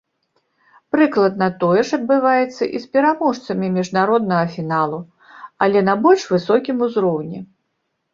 Прыкладна тое ж адбываецца і з пераможцамі міжнароднага фіналу, але на больш высокім узроўні.